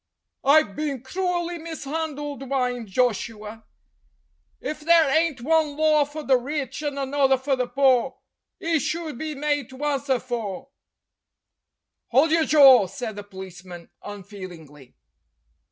"I've bin cruelly mis'andled," whined Joshua. "If there ain't one law for the rich and another for the paw, 'e should be made to awnswer for " "Hold your jaw!" said the policeman unfeelingly.